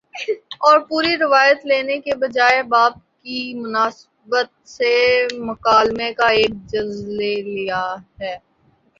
اور پوری روایت لینے کے بجائے باب کی مناسبت سے مکالمے کا ایک جز لے لیا ہے